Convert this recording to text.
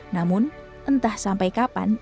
namun entah sampai kapan